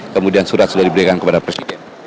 kemudian surat sudah diberikan kepada presiden